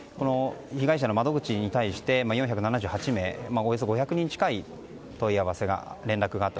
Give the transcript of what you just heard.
被害者の窓口に対して４７８名およそ５００人近い連絡があったと。